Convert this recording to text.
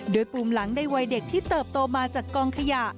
โดยปุ่มหลังในวัยเด็กที่เติบโตมาจากกองขยะ